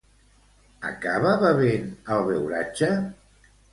Acaba bevent el beuratge?